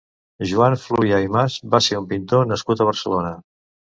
Joan Fluvià i Mas va ser un pintor nascut a Barcelona.